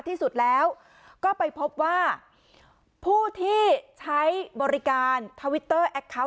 ที่สุดแล้วก็ไปพบว่าผู้ที่ใช้บริการทวิตเตอร์แอคเคาน